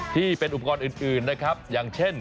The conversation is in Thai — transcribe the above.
ที่เป็นอุปกรณ์อื่นนะครับอย่างเช่น